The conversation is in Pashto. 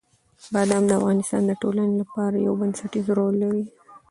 بادام د افغانستان د ټولنې لپاره یو بنسټيز رول لري.